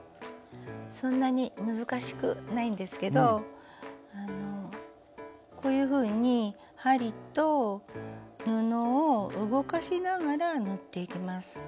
そんなに難しくないんですけどこういうふうに針と布を動かしながら縫っていきます。